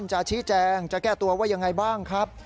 จะชี้แจงจะแก้ตัวว่ายังไงบ้างครับ